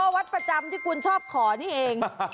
วัดประจำที่คุณชอบขอนี่เอง